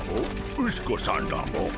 ウシ子さんだモ。